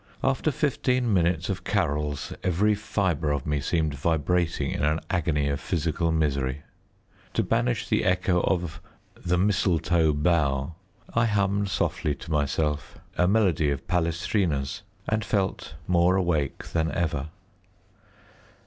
After fifteen minutes of carols every fibre of me seemed vibrating in an agony of physical misery. To banish the echo of "The Mistletoe Bough," I hummed softly to myself a melody of Palestrina's, and felt more awake than ever.